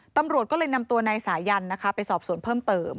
ตำรวจก็เลยนำตัวนายสายันนะคะไปสอบสวนเพิ่มเติม